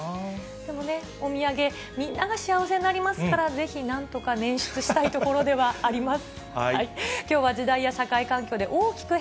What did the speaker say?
でもね、お土産、みんなが幸せになりますから、ぜひなんとか捻出したいところではあります。